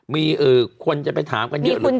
มีคนจะไปถามกันเยอะหรือเปล่า